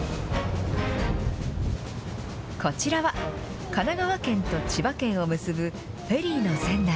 こちらは、神奈川県と千葉県を結ぶフェリーの船内。